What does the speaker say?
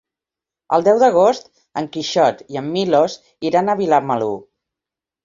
El deu d'agost en Quixot i en Milos iran a Vilamalur.